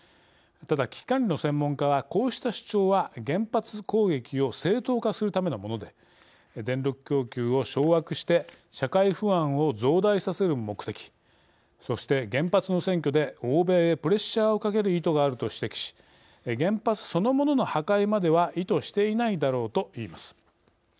ただ危機管理の専門家はこうした主張は原発攻撃を正当化するためのもので電力供給を掌握して社会不安を増大させる目的そして原発の占拠で欧米へプレッシャーをかける意図があると指摘し原発そのものの破壊までは意図していないだろうといいます。